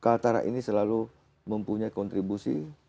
kaltara ini selalu mempunyai kontribusi